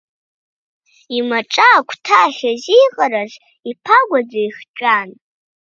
Имаҿа агәҭа ахьазеиҟараз иԥагәаӡа ихҵәан.